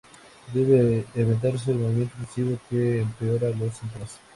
Debe evitarse el movimiento excesivo que empeora los síntomas.